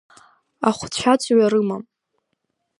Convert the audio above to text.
Ахәцәа ҵҩа рымам.